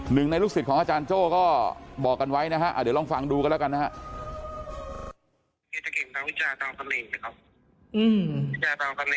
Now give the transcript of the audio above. หนึ่งในลูกศิษย์ของอาจารย์โจ้ก็บอกกันไว้นะฮะเดี๋ยวลองฟังดูกันแล้วกันนะครับ